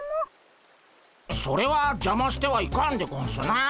それはじゃましてはいかんでゴンスな。